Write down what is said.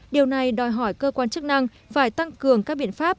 điều này đòi hỏi cơ quan chức năng phải tăng cường các biện pháp